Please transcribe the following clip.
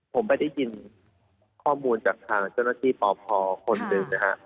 ผมไปได้ยินข้อมูลจากทางเจ้าหน้าที่ปพคนหนึ่งนะฮะ